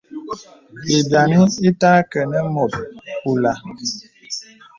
Lbīani ìtà kə nə mùt olā.